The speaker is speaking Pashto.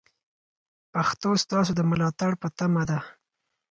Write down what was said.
پښتو ستاسو د ملاتړ په تمه ده.